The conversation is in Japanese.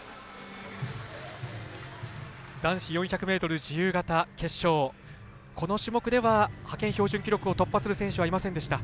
男子４００ｍ自由形決勝この種目では派遣標準記録を突破する選手はいませんでした。